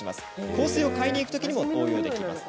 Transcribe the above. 香水を買いに行く時にも応用できますよ。